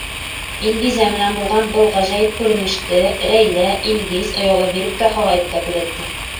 Илгизә менән булған был ғәжәйеп күренеште Рәйлә, Илгиз ояла биреп тә, һағайып та күҙәтте.